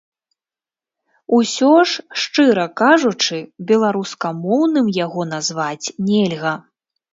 Усё ж, шчыра кажучы, беларускамоўным яго назваць нельга.